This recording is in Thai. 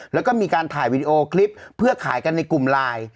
แล้วก็มีการถ่ายวีดีโอคลิปเพื่อขายกันในกลุ่มไลน์